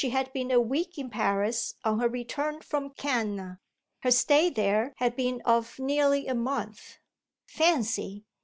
She had been a week in Paris on her return from Cannes her stay there had been of nearly a month: fancy!